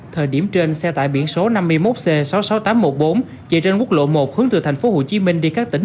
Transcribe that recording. thời điểm trên xe tải biển số năm mươi một c sáu mươi sáu nghìn tám trăm một mươi bốn chạy trên quốc lộ một hướng từ tp hcm đi các tỉnh